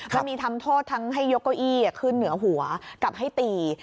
มันมีทำโทษทั้งให้ยกเก้าอี้ขึ้นเหนือหัวกับให้ตี